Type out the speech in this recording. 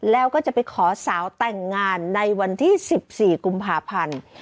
แล้วก็จะไปขอสาวแต่งงานในวันที่๑๔กุมภาพันธ์